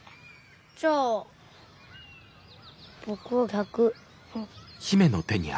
じゃあ僕は逆。